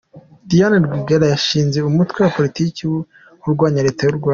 Diane Rwigara yashinze umutwe wa Politiki urwanya Leta y’u Rwanda